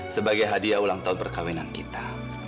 sebagai hadiah ulang tahun perkawinan kita